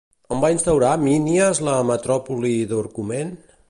On va instaurar Mínias la metròpoli d'Orcomen?